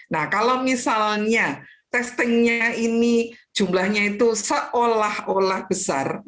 nah kalau misalnya testingnya ini jumlahnya itu seolah olah besar